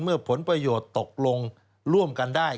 ผลประโยชน์ตกลงร่วมกันได้